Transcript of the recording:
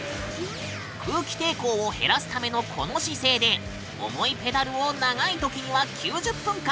空気抵抗を減らすためのこの姿勢で重いペダルを長い時には９０分間こぎ続けるんだ。